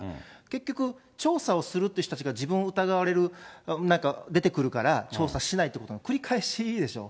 結局、調査をするっていう人たちが自分を疑われる、出てくるから、調査しないってことの繰り返しでしょ。